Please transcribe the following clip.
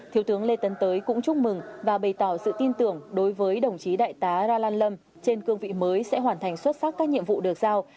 thiếu tướng lê tấn tới cũng chúc mừng và bày tỏ sự tin tưởng đối với đồng chí đại tá ra lan lâm trên cương vị mới sẽ hoàn thành xuất sắc các nhiệm vụ được giao